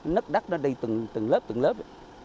nớp đắt nó đi từng lớp từng lớp